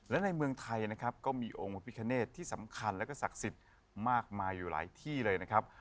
และในเมืองไทยนะครับก็มีองค์พระพิคเนตที่สำคัญแล้วก็ศักดิ์สิทธิ์มากมายอยู่หลายที่เลยนะครับ